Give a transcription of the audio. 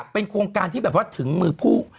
เป็นโครงการที่ถึงมือผู้